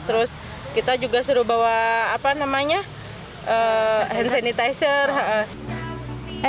terus kita juga suruh bawa hand sanitizer